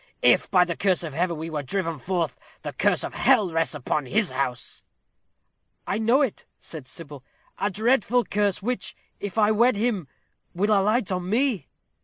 if, by the curse of Heaven, we were driven forth, the curse of hell rests upon his house." "I know it," said Sybil; "a dreadful curse, which, if I wed him, will alight on me."